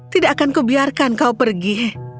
tidak akan kubiarkan kau pergi